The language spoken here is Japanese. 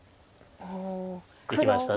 いきました。